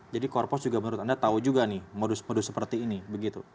jadi korpos juga menurut anda tahu juga nih modus modus seperti ini begitu